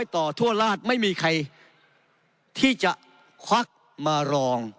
ต่อทั่วราชไม่มีใครที่จะควักมารอง